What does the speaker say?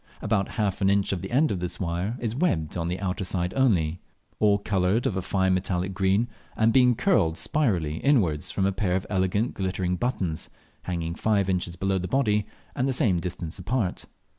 About half an inch of the end of this wire is webbed on the outer side only, awe coloured of a fine metallic green, and being curled spirally inwards form a pair of elegant glittering buttons, hanging five inches below the body, and the same distance apart.